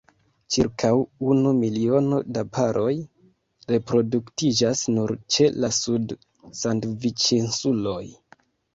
Ĉirkaŭ unu miliono da paroj reproduktiĝas nur ĉe la Sud-Sandviĉinsuloj.